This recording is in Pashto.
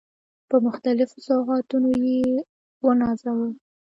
په مختلفو سوغاتونو يې ونازاوه.